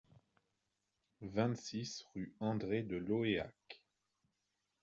vingt-six rue André de Lohéac